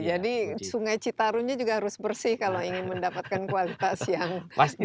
jadi sungai citarumnya juga harus bersih kalau ingin mendapatkan kualitas yang baik disini